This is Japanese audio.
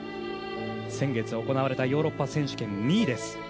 先月行われたヨーロッパ選手権２位です